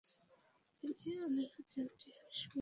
তিনি ‘Alexandria’ ‘Memphis’ ‘Heliopolis’ জয় করলেন ।